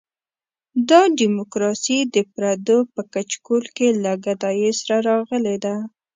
دا ډیموکراسي د پردو په کچکول کې له ګدایۍ سره راغلې ده.